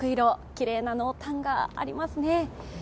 きれいな濃淡がありますね。